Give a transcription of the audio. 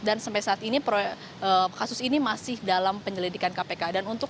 dan sampai saat ini kasus ini masih dalam penyelidikan kpk